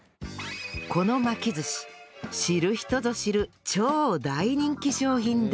この巻き寿司知る人ぞ知る超大人気商品で